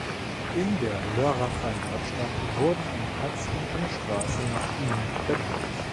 In der Lörracher Nordstadt wurden ein Platz und eine Straße nach ihm benannt.